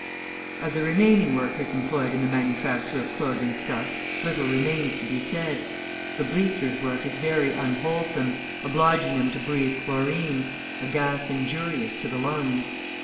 Of the remaining workers employed in the manufacture of clothing stuffs little remains to be said; the bleachers' work is very unwholesome, obliging them to breathe chlorine, a gas injurious to the lungs.